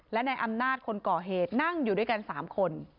และในอำนาจคนก่อเหตุนั่งอยู่ด้วยกัน๓คน